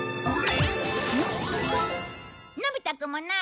のび太くんもない？